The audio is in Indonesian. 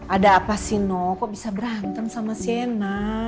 ada apa sih no kok bisa berantem sama sienna